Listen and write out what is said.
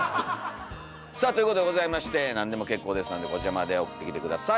さあということでございまして何でも結構ですのでこちらまで送ってきて下さい。